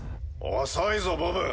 遅いぞボブ。